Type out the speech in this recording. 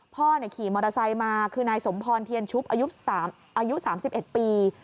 ขี่มอเตอร์ไซค์มาคือนายสมพรเทียนชุบอายุ๓๑ปี